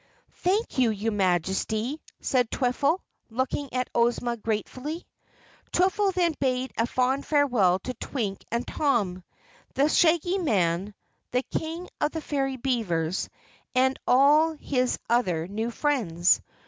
"Thank you, your Majesty," said Twiffle, looking at Ozma gratefully. Twiffle then bade a fond farewell to Twink and Tom, the Shaggy Man, the King of the Fairy Beavers, and all his other new friends.